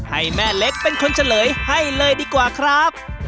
ให้แม่เล็กเป็นคนเฉลยให้เลยดีกว่าครับ